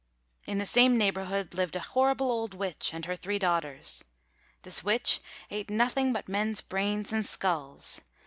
In the same neighborhood lived a horrible old witch and her three daughters. This witch ate nothing but men's brains and skulls.